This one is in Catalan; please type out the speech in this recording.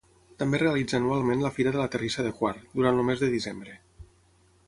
També realitza anualment la Fira de la Terrissa de Quart, durant el mes de desembre.